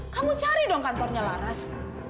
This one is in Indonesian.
kamu cari dong kantornya laras